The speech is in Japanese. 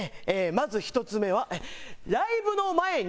まず１つ目はライブの前に。